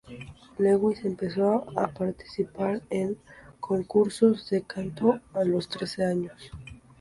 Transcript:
Lewis empezó a participar en concursos de canto a los trece años.